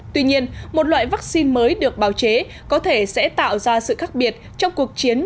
tuy nhiên một loại vaccine mới được bào chế có thể sẽ tạo ra sự khác biệt trong cuộc chiến